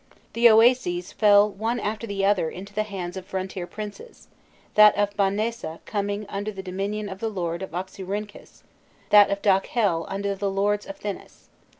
The Oases fell one after the other into the hands of frontier princes that of Bahnesa coming under the dominion of the lord of Oxyrrhynchus, that of Dakhel under the lords of Thinis.